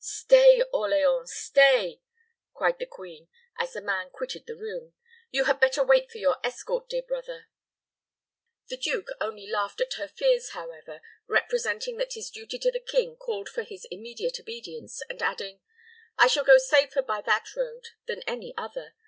"Stay, Orleans, stay!" cried the queen, as the man quitted the room. "You had better wait for your escort, dear brother." The duke only laughed at her fears, however, representing that his duty to the king called for his immediate obedience, and adding, "I shall go safer by that road than any other.